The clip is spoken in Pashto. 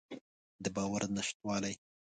د باور نشتوالی.